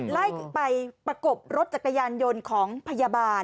ไล่ไปประกบรถจักรยานยนต์ของพยาบาล